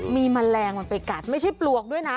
มีแมลงมันไปกัดไม่ใช่ปลวกด้วยนะ